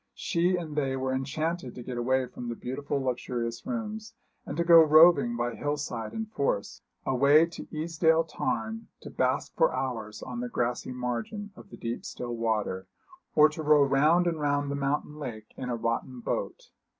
She and they were enchanted to get away from the beautiful luxurious rooms, and to go roving by hill side and force, away to Easedale Tarn, to bask for hours on the grassy margin of the deep still water, or to row round and round the mountain lake in a rotten boat.